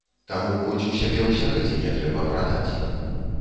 Таму хоць у сябе ўсярэдзіне трэба прадаць.